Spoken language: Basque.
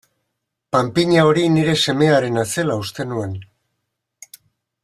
Panpina hori nire semearena zela uste nuen.